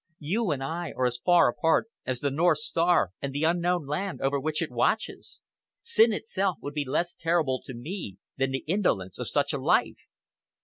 You and I are as far apart as the North Star and the unknown land over which it watches! Sin itself would be less terrible to me than the indolence of such a life!"